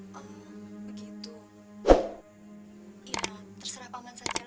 ya terserah pak paman saja lah